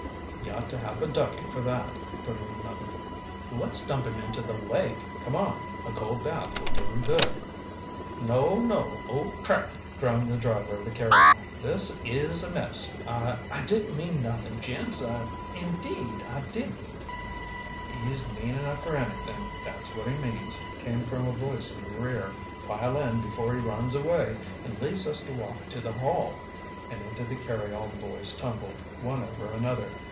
"He ought to have a ducking for that," put in another. "Let's dump him into the lake!" "Come on, a cold bath will do him good!" "No! no! Oh, crickey!" groaned the driver of the carryall. "This is a mess! I I didn't mean nuthin', gents, indeed, I didn't " "He's mean enough for anything, that's what he means," came from a voice in the rear. "Pile in, before he runs away, and leaves us to walk to the Hall!" And into the carryall the boys tumbled, one over another.